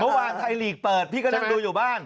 เมื่อวานไทยลีกเปิดพี่ก็นั่งดูอยู่บ้าน